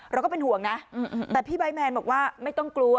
เราก็เป็นห่วงนะแต่พี่ไบท์แมนบอกว่าไม่ต้องกลัว